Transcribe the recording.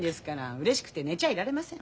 うれしくて寝ちゃいられません。